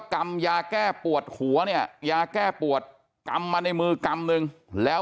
กรรมยาแก้ปวดหัวเนี่ยยาแก้ปวดกรรมมาในมือกรรมหนึ่งแล้ว